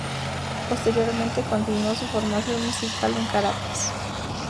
Posteriormente continuó su formación musical en Caracas.